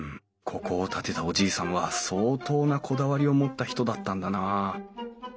ここを建てたおじいさんは相当なこだわりを持った人だったんだなあ。